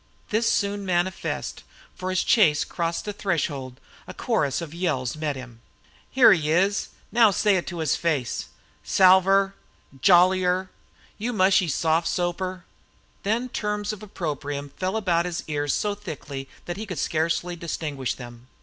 This was soon manifest, for as Chase crossed the threshold a chorus of yells met him. "Here he is now say it to his face!" "Salver!" "Jollier!" "You mushy soft soaper!" Then terms of opprobrium fell about his ears so thickly that he could scarcely distinguish them.